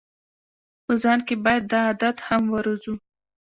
په ځان کې باید دا عادت هم وروزو.